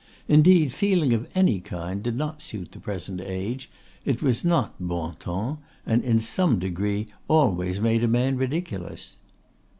Indeed, feeling of any kind did not suit the present age: it was not bon ton; and in some degree always made a man ridiculous.